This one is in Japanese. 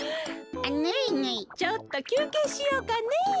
ちょっときゅうけいしようかね。